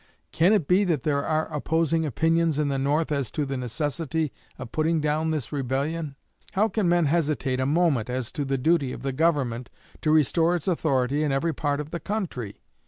Can it be that there are opposing opinions in the North as to the necessity of putting down this rebellion? How can men hesitate a moment as to the duty of the Government to restore its authority in every part of the country?